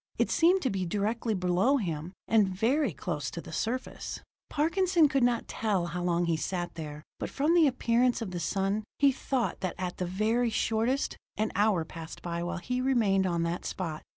It seemed to be directly below him, and very close to the surface. Parkinson could not tell how long he sat there, but from the appearance of the sun, he thought that at the very shortest, an hour passed by while he remained on that spot.